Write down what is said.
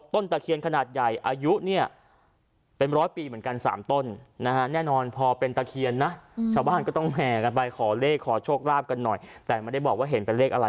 ต้นตะเคียนขนาดใหญ่อายุเป็น๓ต้น